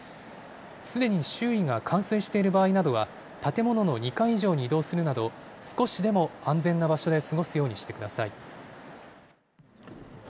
すでに周囲が冠水している場合などは、建物の２階以上に移動するなど、少しでも安全な場所で過ごすようにしてください。